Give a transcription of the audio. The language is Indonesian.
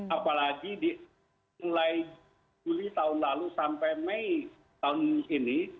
apalagi di mulai juli tahun lalu sampai mei tahun ini